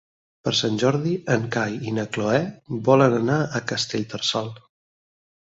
Per Sant Jordi en Cai i na Cloè volen anar a Castellterçol.